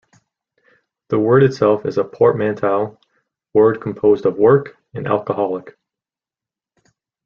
The word itself is a portmanteau word composed of "work" and "alcoholic".